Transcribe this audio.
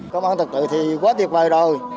công an thật tự thì quá tuyệt vời rồi